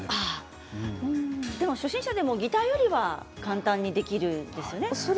初心者でもギターよりは簡単にできるんですよね。